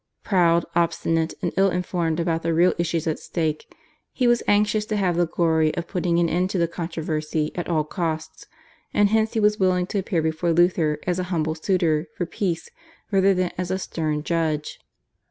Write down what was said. Proud, obstinate, and ill informed about the real issues at stake, he was anxious to have the glory of putting an end to the controversy at all costs, and hence he was willing to appear before Luther as a humble suitor for peace rather than as a stern judge.